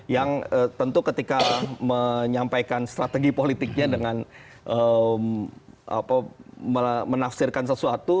yang tentu ketika menyampaikan strategi politiknya dengan menafsirkan sesuatu